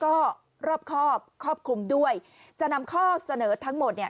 ก็รอบครอบครอบคลุมด้วยจะนำข้อเสนอทั้งหมดเนี่ย